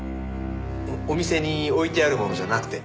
お店に置いてあるものじゃなくて？